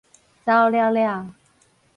走了了